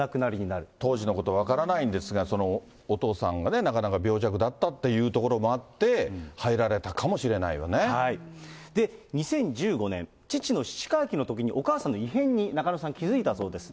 これ、当時のこと分からないんですが、お父さんがね、なかなか病弱だったというところもあって、入られたかもしれない２０１５年、父の七回忌のときに、お母さんの異変に、中野さん気付いたそうです。